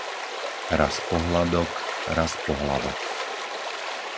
Raz pohladok, raz pohlavok.